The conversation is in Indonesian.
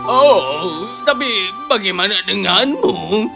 oh tapi bagaimana denganmu